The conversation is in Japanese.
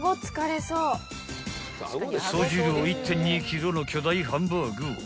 ［総重量１．２ｋｇの巨大ハンバーグを］